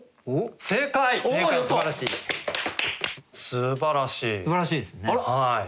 すばらしい。